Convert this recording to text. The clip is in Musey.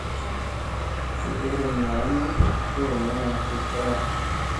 Sli iirim naa ni kulumina tut aya.